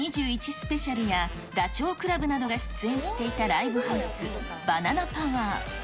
スペシャルや、ダチョウ倶楽部などが出演していたライブハウス、バナナパワー。